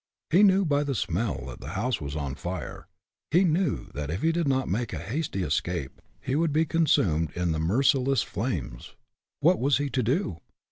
He knew by the smell that the house was on fire; he knew that if he did not make a hasty escape he would be consumed in the merciless flames. What was he to do?